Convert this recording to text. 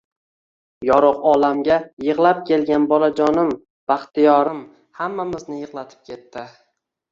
Yorug` olamga yig`lab kelgan bolajonim, Baxtiyorim, hammamizni yig`latib ketdi